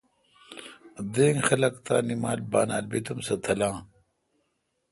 دینگ خلق تانی مال بانال بیت سہ تلاں۔